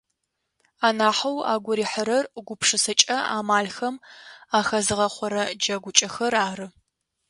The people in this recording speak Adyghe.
Анахьэу агу рихьырэр гупшысэкӏэ амалхэм ахэзгъэхъорэ джэгукӏэхэр ары.